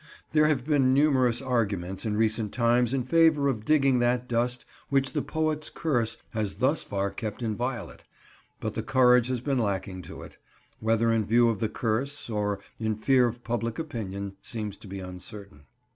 There have been numerous arguments in recent times in favour of digging that dust which the poet's curse has thus far kept inviolate, but the courage has been lacking to it; whether in view of the curse or in fear of public opinion seems to be uncertain.